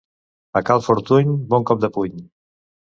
A Cal Fortuny, bon cop de puny.